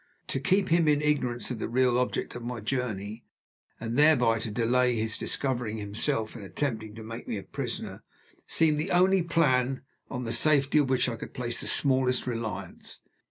To keep him in ignorance of the real object of my journey, and thereby to delay his discovering himself and attempting to make me a prisoner, seemed the only plan on the safety of which I could place the smallest reliance.